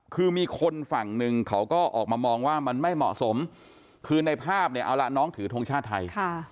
คือมีคนฝั่งหนึ่งเขาก็ออกมามองว่ามันไม่เหมาะสมคือในภาพเนี่ยเอาละน้องถือทงชาติไทย